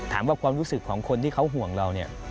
ถามว่าความรู้สึกของคนที่เขาห่วงเรา